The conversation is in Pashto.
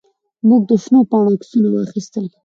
موږ د شنو پاڼو عکسونه واخیستل.